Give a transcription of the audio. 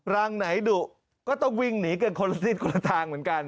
รังไหนดุก็ต้องวิ่งหนีกันคนละทิศคนละทางเหมือนกัน